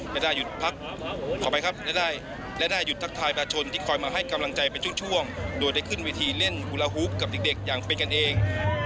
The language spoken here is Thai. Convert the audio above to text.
และได้หยุดทักทายประชนที่คอยมาให้กำลังใจเป็นช่วงโดยได้ขึ้นวิธีเล่นวุลาฮูกกับเด็กอย่างเป็นกันเอง